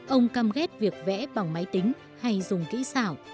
ông cam ghét việc vẽ bằng máy tính hay dùng kỹ xảo